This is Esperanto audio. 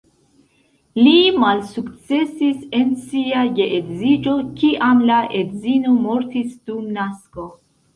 Li malsukcesis en sia geedziĝo kiam la edzino mortis dum nasko.